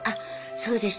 そうですね。